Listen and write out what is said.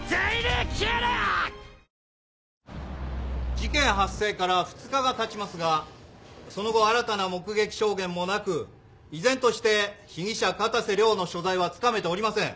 事件発生から２日がたちますがその後新たな目撃証言もなく依然として被疑者片瀬涼の所在はつかめておりません。